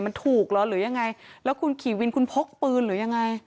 มันถูกเหรอหรือยังไงแล้วคุณขี่วินคุณพกปืนหรือยังไง